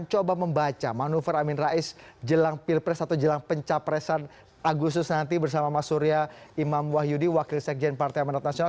coba membaca manuver amin rais jelang pilpres atau jelang pencapresan agustus nanti bersama mas surya imam wahyudi wakil sekjen partai amanat nasional